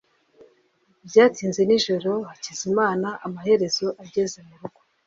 byatinze nijoro hakizimana amaherezo ageze murugo